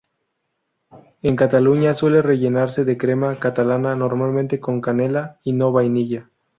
En Cataluña suele rellenarse de crema catalana, normalmente con canela y no vainilla.